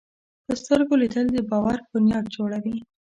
په سترګو لیدل د باور بنیاد جوړوي